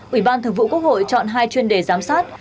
ủy ban thường vụ quốc hội chọn hai chuyên đề giám sát